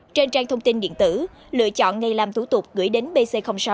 trên trang thông tin điện tử lựa chọn ngày làm thủ tục gửi đến pc sáu